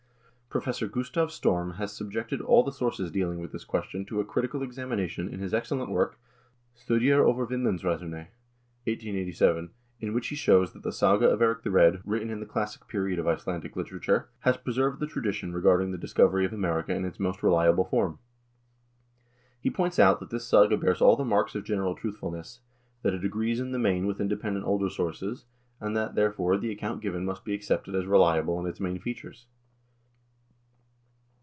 Pro fessor Gustav Storm has subjected all the sources dealing with this question to a critical examination in his excellent work " Studier over Vinlandsreiserne" (1887), in which he shows that the "Saga of Eirik the Red," written in the classic period of Icelandic literature, has preserved the tradition regarding the discovery of America in its most reliable form. He points out that this saga bears all the marks of general truthfulness, that it agrees in the main with independent older sources, and that, therefore, the account given must be accepted as reliable in its main features.